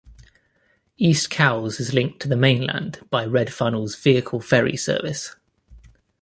East Cowes is linked to the mainland by Red Funnel's vehicle ferry service.